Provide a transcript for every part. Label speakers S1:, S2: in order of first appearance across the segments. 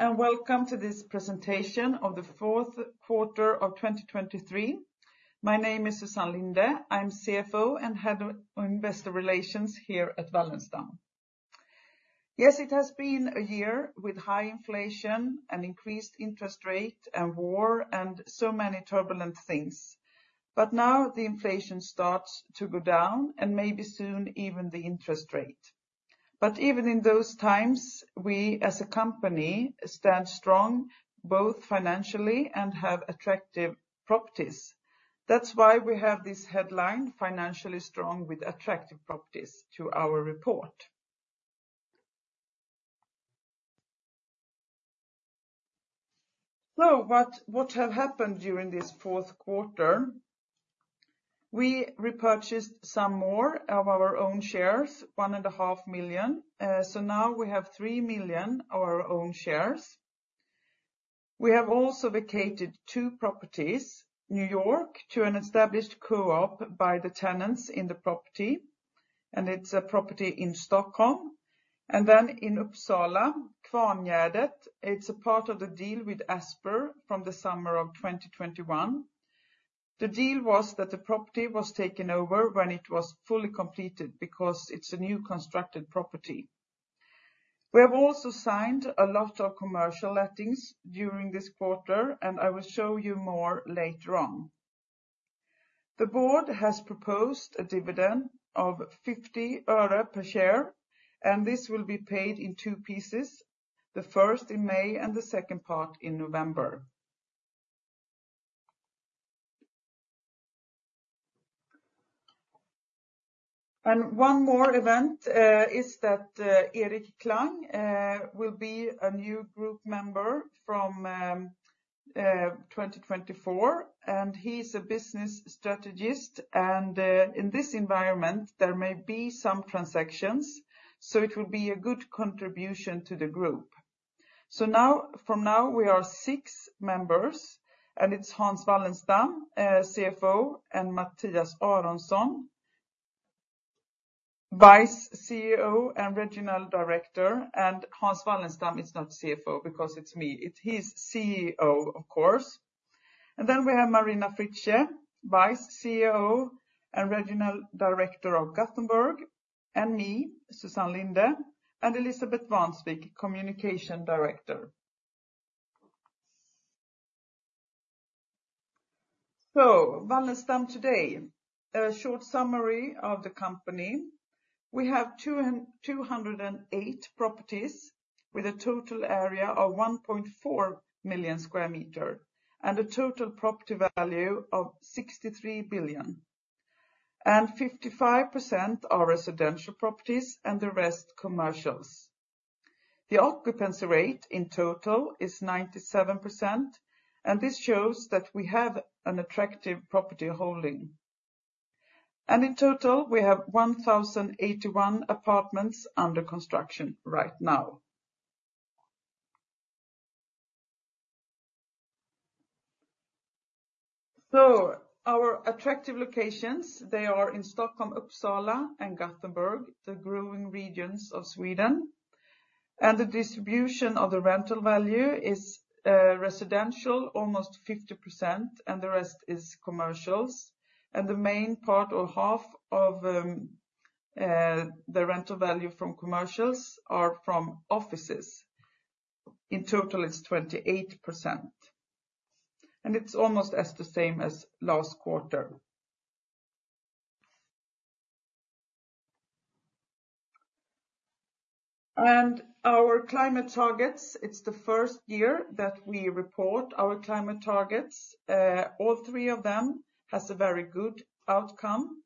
S1: Hello. Welcome to this presentation of the Q4 of 2023. My name is Susann Linde. I'm CFO and Head of Investor Relations here at Wallenstam. It has been a year with high inflation and increased interest rate and war, and so many turbulent things. Now the inflation starts to go down, and maybe soon even the interest rate. Even in those times, we as a company stand strong, both financially and have attractive properties. That's why we have this headline, Financially Strong with Attractive Properties, to our report. What have happened during this fourth quarter? We repurchased some more of our own shares, one and a half million, so now we have three million of our own shares. We have also vacated two properties, New York to an established co-op by the tenants in the property, and it's a property in Stockholm. In Uppsala, Kvarngärdet, it's a part of the deal with Aspelin Ramm from the summer of 2021. The deal was that the property was taken over when it was fully completed, because it's a new constructed property. We have also signed a lot of commercial lettings during this quarter, and I will show you more later on. The board has proposed a dividend of 50 öre per share, and this will be paid in two pieces, the first in May and the second part in November. One more event is that Erik Klang will be a new group member from 2024, and he's a business strategist. In this environment, there may be some transactions. It will be a good contribution to the group. From now we are six members. It's Hans Wallenstam, CFO, and Mathias Aronsson, Vice CEO and Regional Director. Hans Wallenstam is not CFO because it's me. It's he's CEO of course. We have Marina Fritsche, Vice CEO and Regional Director of Gothenburg, and me, Susann Linde, and Elisabeth Vansvik, Communication Director. Wallenstam today, a short summary of the company. We have 208 properties with a total area of 1.4 million square meter. A total property value of 63 billion. 55% are residential properties. The rest commercials. The occupancy rate in total is 97%. This shows that we have an attractive property holding. In total, we have 1,081 apartments under construction right now. Our attractive locations, they are in Stockholm, Uppsala, and Gothenburg, the growing regions of Sweden. The distribution of the rental value is residential almost 50%, and the rest is commercials. The main part or half of the rental value from commercials are from offices. In total, it's 28%, and it's almost as the same as last quarter. Our climate targets, it's the first year that we report our climate targets. All three of them has a very good outcome.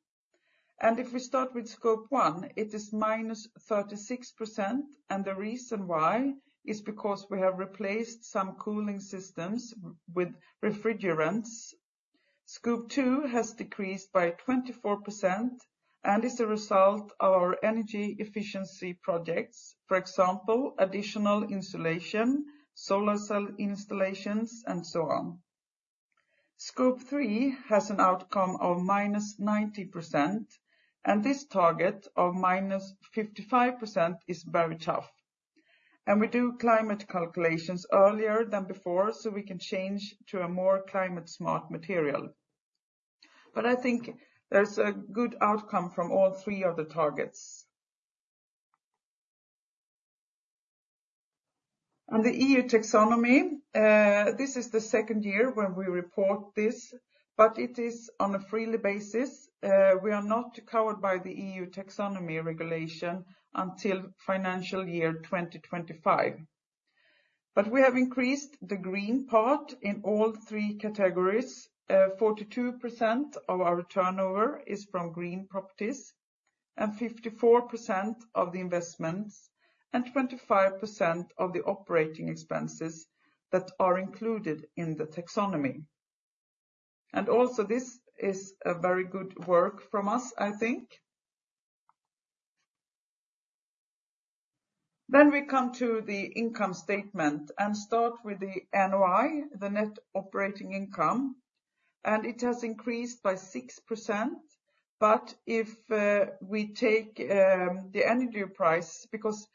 S1: If we start with Scope 1, it is minus 36%, and the reason why is because we have replaced some cooling systems with refrigerants. Scope 2 has decreased by 24% and is a result of our energy efficiency projects, for example, additional insulation, solar cell installations, and so on. Scope 3 has an outcome of minus 90%. This target of minus 55% is very tough. We do climate calculations earlier than before, so we can change to a more climate-smart material. I think there's a good outcome from all three of the targets. On the EU taxonomy, this is the second year where we report this, but it is on a freely basis. We are not covered by the EU taxonomy regulation until financial year 2025. We have increased the green part in all three categories. 42% of our turnover is from green properties, 54% of the investments, 25% of the operating expenses that are included in the taxonomy. This is a very good work from us, I think. We come to the income statement and start with the NOI, the net operating income. It has increased by 6%, but if we take the energy price, because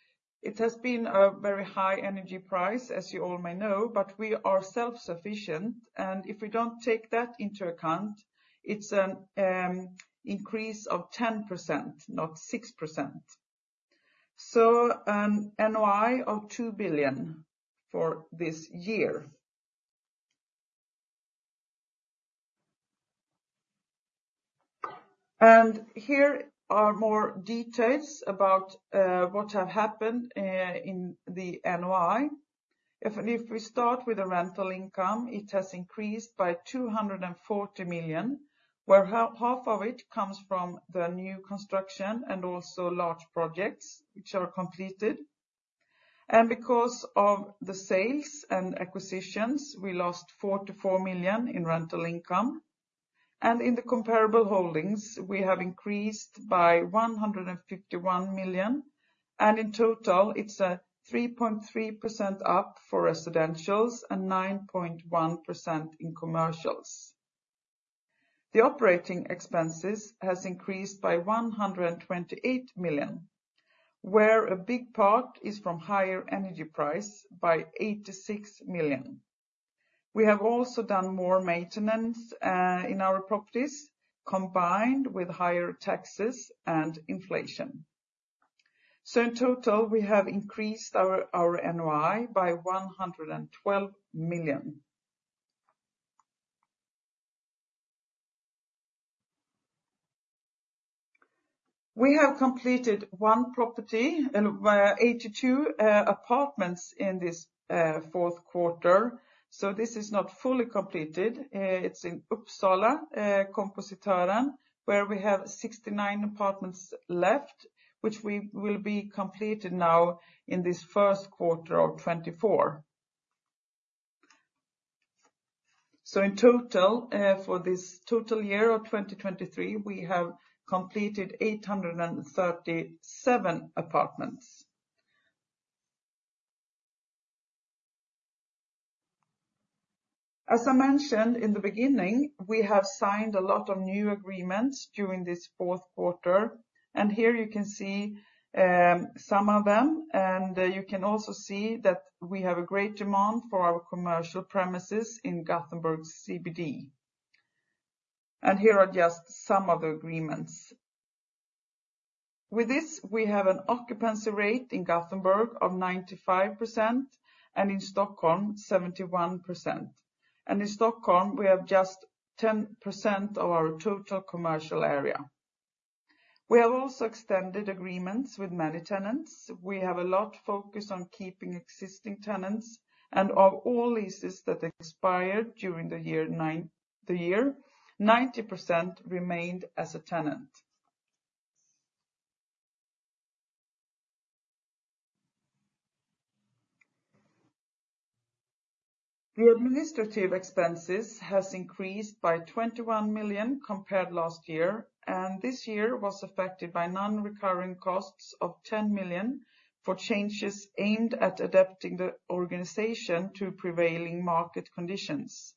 S1: it has been a very high energy price, as you all may know, but we are self-sufficient. If we don't take that into account, it's an increase of 10%, not 6%. An NOI of 2 billion for this year. Here are more details about what have happened in the NOI. If we start with the rental income, it has increased by 240 million, where half of it comes from the new construction and also large projects which are completed. Because of the sales and acquisitions, we lost 44 million in rental income. In the comparable holdings, we have increased by 151 million, and in total, it's 3.3% up for residentials and 9.1% in commercials. The operating expenses has increased by 128 million, where a big part is from higher energy price by 86 million. We have also done more maintenance in our properties, combined with higher taxes and inflation. In total, we have increased our NOI by 112 million. We have completed one property and 82 apartments in this Q4, so this is not fully completed. It's in Uppsala, Kompositören, where we have 69 apartments left, which we will be completed now in this Q1 of 2024. In total, for this total year of 2023, we have completed 837 apartments. As I mentioned in the beginning, we have signed a lot of new agreements during this Q4, and here you can see some of them. You can also see that we have a great demand for our commercial premises in Gothenburg CBD. Here are just some of the agreements. With this, we have an occupancy rate in Gothenburg of 95%, and in Stockholm, 71%. In Stockholm, we have just 10% of our total commercial area. We have also extended agreements with many tenants. We have a lot focus on keeping existing tenants. Of all leases that expired during the year, 90% remained as a tenant. The administrative expenses has increased by 21 million compared last year. This year was affected by non-recurring costs of 10 million for changes aimed at adapting the organization to prevailing market conditions.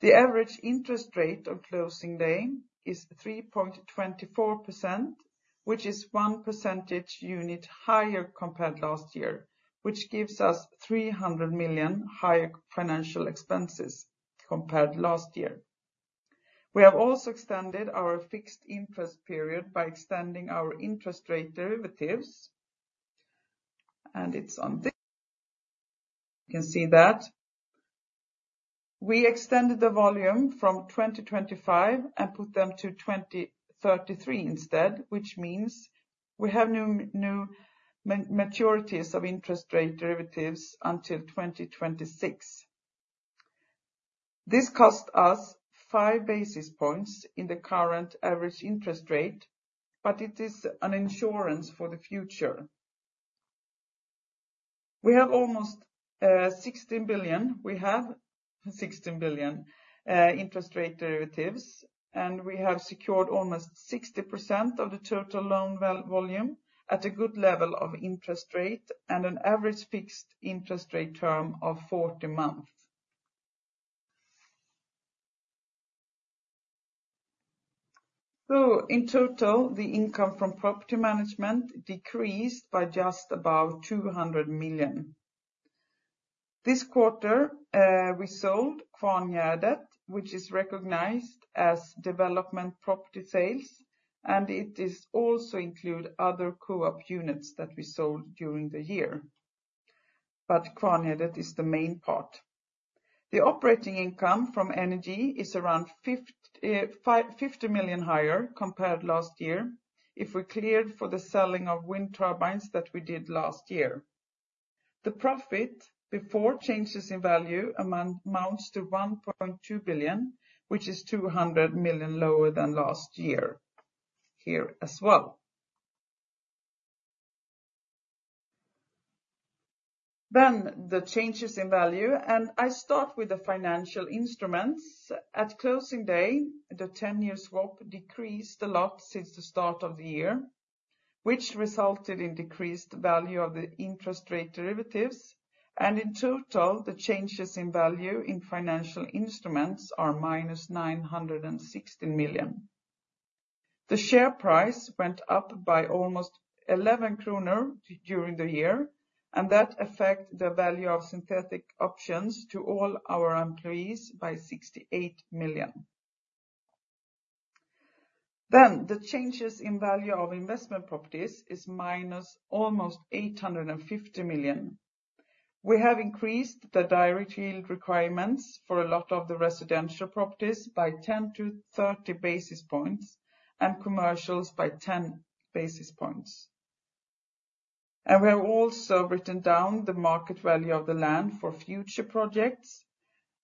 S1: The average interest rate on closing day is 3.24%, which is one percentage unit higher compared last year, which gives us 300 million higher financial expenses compared last year. We have also extended our fixed interest period by extending our interest rate derivatives. It's on this. You can see that. We extended the volume from 2025 and put them to 2033 instead, which means we have no maturities of interest rate derivatives until 2026. This cost us five basis points in the current average interest rate. It is an insurance for the future. We have almost 16 billion. We have 16 billion interest rate derivatives, and we have secured almost 60% of the total loan volume at a good level of interest rate and an average fixed interest rate term of 40 months. In total, the income from property management decreased by just about 200 million. This quarter, we sold Kvarngärdet, which is recognized as development property sales, and it is also include other co-op units that we sold during the year. Kvarngärdet is the main part. The operating income from energy is around 50 million higher compared last year if we cleared for the selling of wind turbines that we did last year. The profit before changes in value amounts to 1.2 billion, which is 200 million lower than last year here as well. The changes in value, and I start with the financial instruments. At closing day, the 10-year swap decreased a lot since the start of the year. Which resulted in decreased value of the interest rate derivatives. In total, the changes in value in financial instruments are minus 960 million. The share price went up by almost 11 krona during the year, and that affect the value of synthetic options to all our employees by 68 million. The changes in value of investment properties is minus almost 850 million. We have increased the direct yield requirements for a lot of the residential properties by 10-30 basis points and commercials by 10 basis points. We have also written down the market value of the land for future projects,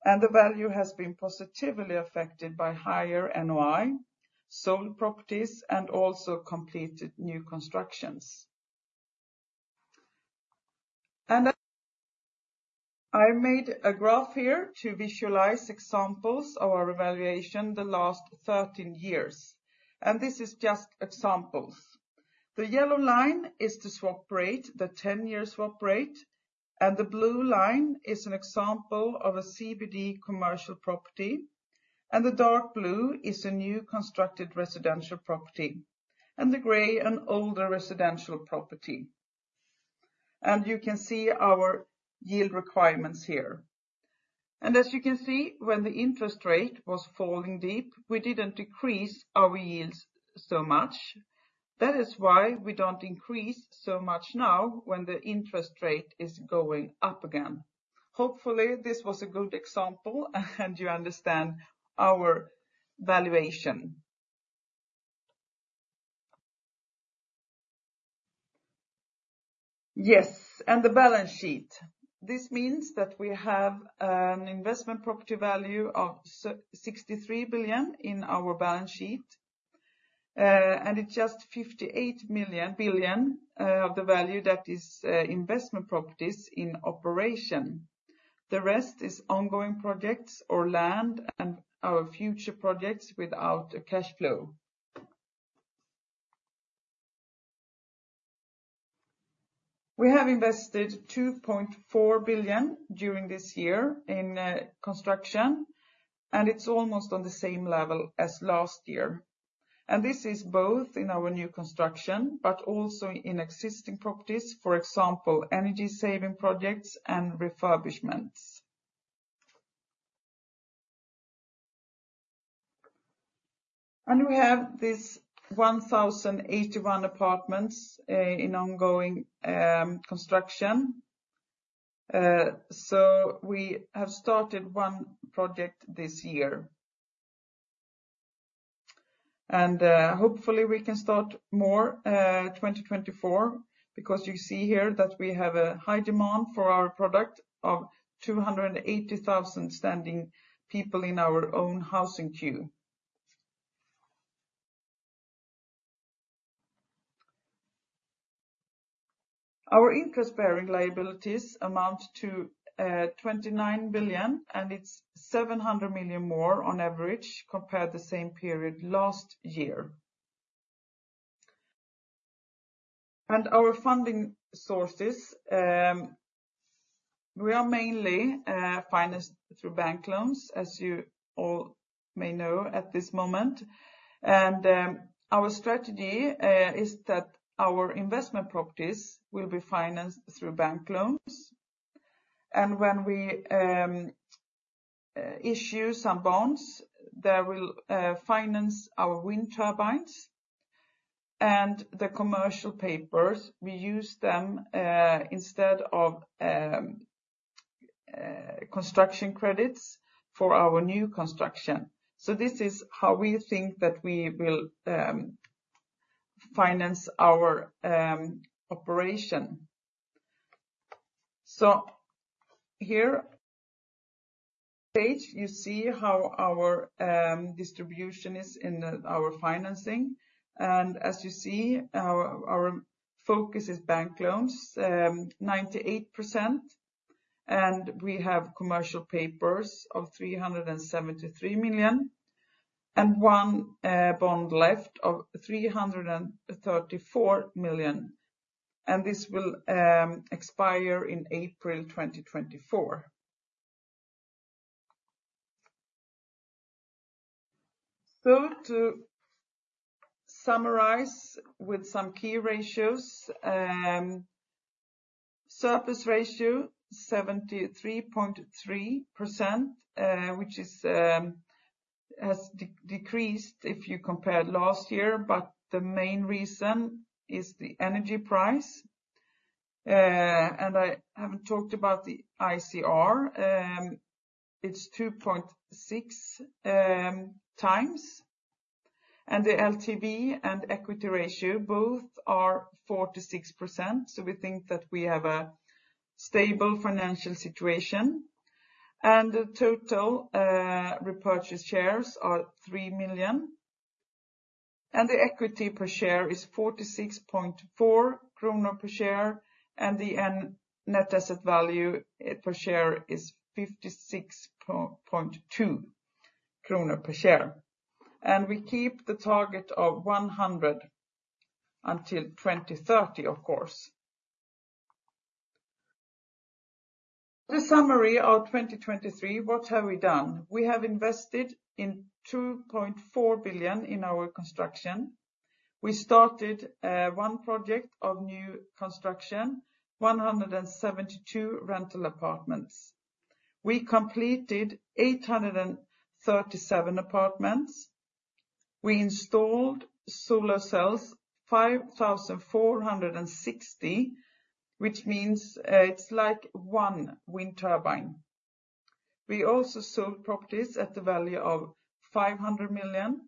S1: and the value has been positively affected by higher NOI, solar properties, and also completed new constructions. I made a graph here to visualize examples of our evaluation the last 13 years, and this is just examples. The yellow line is the swap rate, the 10-year swap rate, and the blue line is an example of a CBD commercial property, and the dark blue is a new constructed residential property, and the gray, an older residential property. You can see our yield requirements here. As you can see, when the interest rate was falling deep, we didn't decrease our yields so much. That is why we don't increase so much now when the interest rate is going up again. Hopefully this was a good example and you understand our valuation. The balance sheet. This means that we have an investment property value of 63 billion in our balance sheet, and it's just 58 billion of the value that is investment properties in operation. The rest is ongoing projects or land and our future projects without a cash flow. We have invested 2.4 billion during this year in construction, it's almost on the same level as last year. This is both in our new construction, but also in existing properties, for example, energy saving projects and refurbishments. We have this 1,081 apartments in ongoing construction. We have started one project this year. Hopefully we can start more 2024, because you see here that we have a high demand for our product of 280,000 standing people in our own housing queue. Our interest-bearing liabilities amount to 29 billion, it's 700 million more on average compared the same period last year. Our funding sources, we are mainly financed through bank loans, as you all may know at this moment. Our strategy is that our investment properties will be financed through bank loans. When we issue some bonds, they will finance our wind turbines. The commercial papers, we use them instead of construction credits for our new construction. This is how we think that we will finance our operation. Here page, you see how our distribution is in our financing. As you see, our focus is bank loans, 98%, and we have commercial papers of 373 million, and one bond left of 334 million, and this will expire in April 2024. To summarize with some key ratios, surface ratio 73.3%, which is has decreased if you compare last year, but the main reason is the energy price. And I haven't talked about the ICR. It's 2.6x, and the LTV and equity ratio both are 4%-6%, we think that we have a stable financial situation. The total repurchase shares are three million, and the equity per share is 46.4 krona per share, and the net asset value per share is 56.2 krona per share. We keep the target of 100 until 2030, of course. The summary of 2023, what have we done? We have invested in 2.4 billion in our construction. We started one project of new construction, 172 rental apartments. We completed 837 apartments. We installed solar cells, 5,460, which means it's like one wind turbine. We also sold properties at the value of 500 million.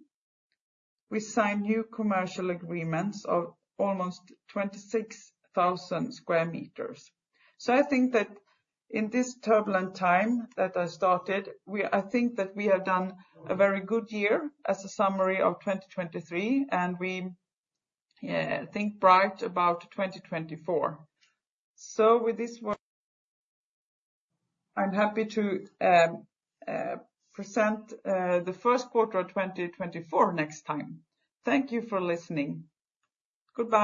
S1: We signed new commercial agreements of almost 26,000 square meters. I think that in this turbulent time that I started, I think that we have done a very good year as a summary of 2023, and we think bright about 2024. With this one, I'm happy to present the Q1 of 2024 next time. Thank you for listening. Goodbye.